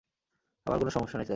আমার কোনো সমস্যা নেই, স্যার।